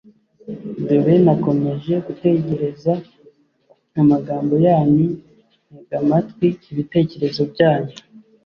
dore nakomeje gutegereza amagambo yanyu, ntega amatwi ibitekerezo byanyu